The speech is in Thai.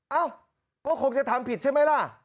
เอ้าก็คงทำผิดใช่มั้ยล่ะ